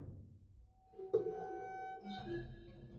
kwa sababu imusaidie yeye na jamaa yake